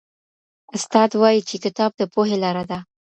استاد وایي چي کتاب د پوهي لاره ده.